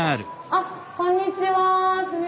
あこんにちは。